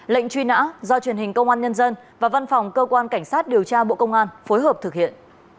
lệnh truy nã do truyền hình công an nhân dân và văn phòng cơ quan cảnh sát điều tra bộ công an phối hợp thực hiện